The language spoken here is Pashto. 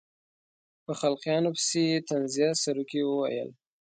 په خلقیاتو پسې یې طنزیه سروکي وویل.